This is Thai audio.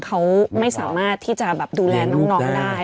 เขาไม่สามารถที่จะแบบดูแลน้องได้